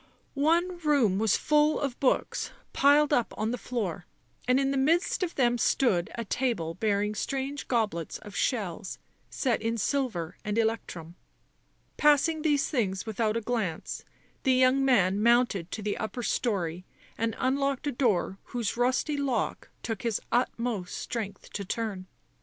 One room was full of books, piled up on the floor, and in the midst of them stood a table bearing strange goblets of shells set in silver and electrum. Passing these things without a glance the young man mounted to the upper storey and unlocked a door whose rusty lock took his utmost strength to turn.